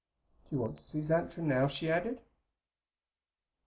"Do you want to see Xantra now?" she added.